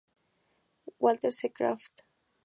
Walter C. Kraft.